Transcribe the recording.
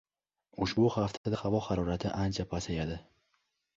Ushbu haftada havo harorati ancha pasayadi